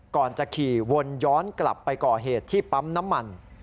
ก่อนจะขี่วนย้อนกลับไปก่อเหตุที่ปั๊มน้ำมัน